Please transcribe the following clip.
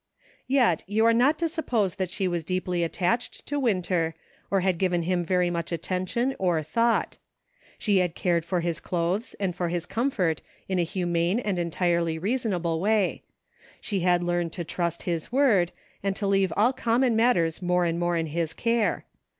Yet you are not to suppose that she was deeply attached to Winter, or had given him very much attention or thought. She had cared for his clothes and for his comfort in a humane and en tirely reasonable way ; she had learned to trust his word, and to leave all common matters more GROWING "NECESSARY. IO7 and more in his care.